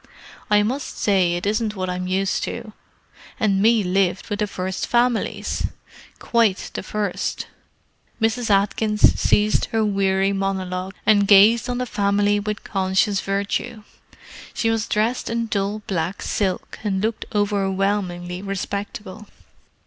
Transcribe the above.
I must say it isn't what I'm used to, and me lived with the first families. Quite the first." Mrs. Atkins ceased her weary monologue and gazed on the family with conscious virtue. She was dressed in dull black silk, and looked overwhelmingly respectable.